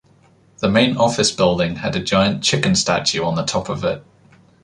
The main office building had a giant chicken statue on the top of it.